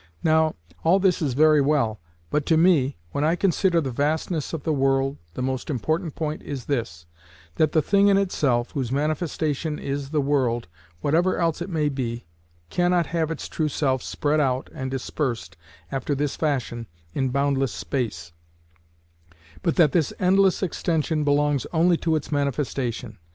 Now, all this is very well, but to me, when I consider the vastness of the world, the most important point is this, that the thing in itself, whose manifestation is the world—whatever else it may be—cannot have its true self spread out and dispersed after this fashion in boundless space, but that this endless extension belongs only to its manifestation.